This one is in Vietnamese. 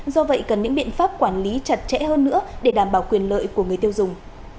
do vậy cần những biện pháp quản lý chặt chẽ hơn nữa để đảm bảo quyền lợi của người tiêu dùng